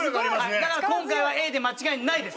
だから今回はＡで間違いないです。